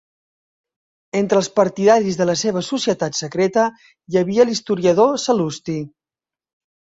Entre els partidaris de la seva societat secreta, hi havia l'historiador Sal·lusti.